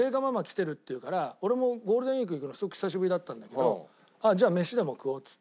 俺もゴールデンウィーク行くのすごく久しぶりだったんだけどじゃあ「飯でも食おう」っつって。